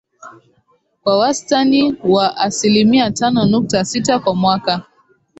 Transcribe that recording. kwa wastani wa asilimia tano nukta sita kwa mwaka